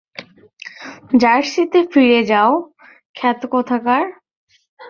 জার্সিতে ফিরে যাও, ক্ষ্যাত কোথাকার।